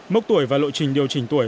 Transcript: mốc tuổi và lộ trình điều chỉnh tuổi